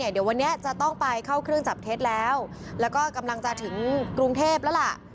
เดี๋ยววันนี้จะต้องไปเข้าเครื่องจับเท็จแล้วแล้วก็กำลังจะถึงกรุงเทพแล้วล่ะ